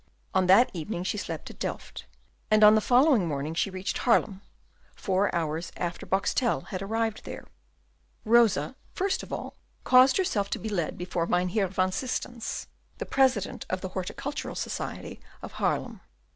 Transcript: On that evening she slept at Delft, and on the following morning she reached Haarlem, four hours after Boxtel had arrived there. Rosa, first of all, caused herself to be led before Mynheer van Systens, the President of the Horticultural Society of Haarlem.